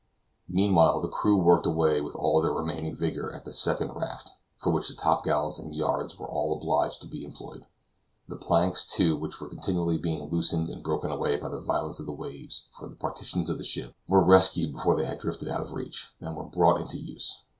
Meanwhile, the crew worked away with all their remaining vigor at the second raft, for which the top gallants and yards were all obliged to be employed; the planks, too, which were continually being loosened and broken away by the violence of the waves from the partitions of the ship, were rescued before they had drifted out of reach, and were brought into use.